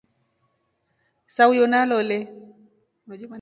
Sayo nalole.